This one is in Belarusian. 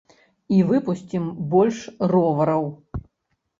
І выпусцім больш ровараў!